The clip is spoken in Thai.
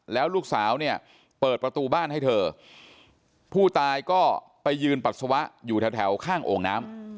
แล้วลูกสาวเนี่ยเปิดประตูบ้านให้เธอผู้ตายก็ไปยืนปัสสาวะอยู่แถวข้างโอ่งน้ำ